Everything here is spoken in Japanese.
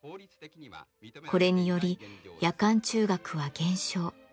これにより夜間中学は減少。